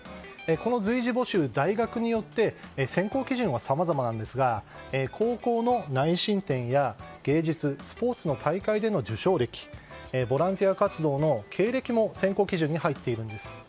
この随時募集、大学によって選考基準はさまざまですが高校の内申点や芸術、スポーツの大会での受賞歴ボランティア活動の経歴も選考基準に入っています。